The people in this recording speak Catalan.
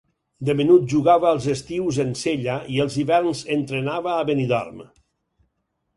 De menut, jugava als estius en Sella i els hiverns entrenava a Benidorm.